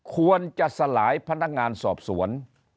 ควรจะสลายพนักงานสอบสวน